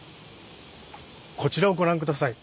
こちらをご覧下さい。